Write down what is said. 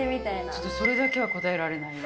ちょっとそれだけは答えられないわ。